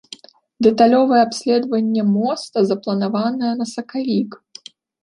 Дэталёвае абследаванне моста запланаванае на сакавік.